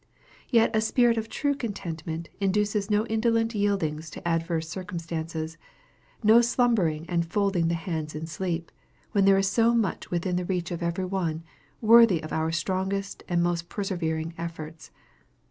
Yet a spirit of true contentment induces no indolent yieldings to adverse circumstances; no slumbering and folding the hands in sleep, when there is so much within the reach of every one, worthy of our strongest and most persevering efforts.